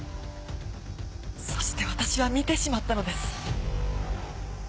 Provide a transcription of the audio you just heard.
そして私は見てしまったのです。